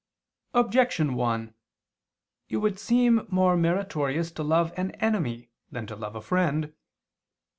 Objection 1: It would seem more meritorious to love an enemy than to love a friend.